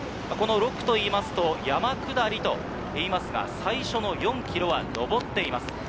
この６区と言いますと山下りと言いますが、最初の４ｋｍは上っています。